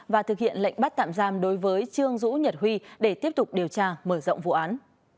và thực hiện lệnh bắt tạm giam đối với trương dũ nhật huy để tiếp tục điều tra mở rộng vụ án